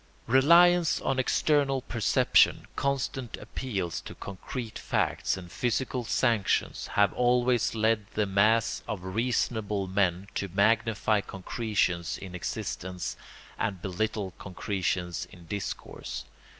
] Reliance on external perception, constant appeals to concrete fact and physical sanctions, have always led the mass of reasonable men to magnify concretions in existence and belittle concretions in discourse.